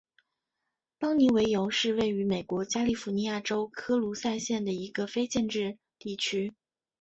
邦妮维尤是位于美国加利福尼亚州科卢萨县的一个非建制地区。